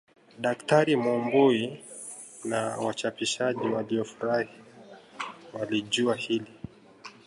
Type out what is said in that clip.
Daktari Mumbui na wachapishaji waliofurahi walijua hili